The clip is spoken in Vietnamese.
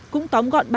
cũng tóm gọn ba tàu xe